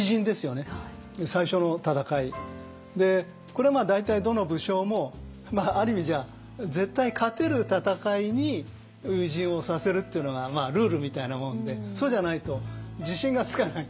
これ大体どの武将もある意味じゃ絶対勝てる戦いに初陣をさせるっていうのがルールみたいなもんでそうじゃないと自信がつかない。